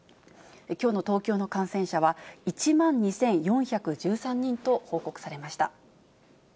きょうの東京の感染者は１万２４１３人と報告されました。